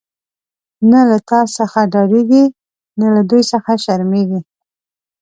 نه له تا څخه ډاريږی، نه له دوی څخه شرميږی